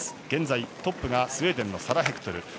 現在、トップがスウェーデンのサラ・ヘクトル。